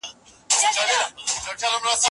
باید خپل مخکني قضاوتونه لږ کړو.